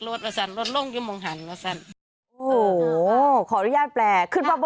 โอ้โฮขออนุญาตแปล